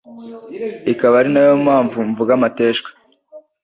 ikaba ari na yo mpamvu mvuga amateshwa